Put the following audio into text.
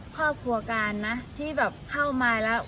ครอบครัวการนะที่แบบเข้ามาแล้ว